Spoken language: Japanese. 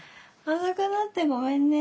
遅くなってごめんね。